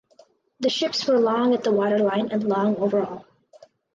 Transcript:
The ships were long at the waterline and long overall.